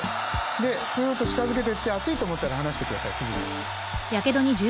すっと近づけていって熱いと思ったら離してくださいすぐに。